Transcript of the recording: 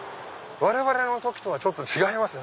我々の時とはちょっと違います。